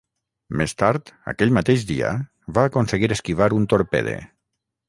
Més tard, aquell mateix dia, va aconseguir esquivar un torpede.